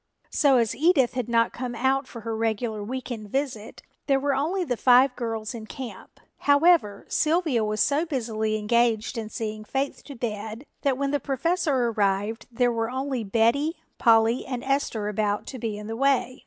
So as Edith had not come out for her regular week end visit there were only the five girls in camp. However, Sylvia was so busily engaged in seeing Faith to bed that when the Professor arrived there were only Betty, Polly and Esther about to be in the way.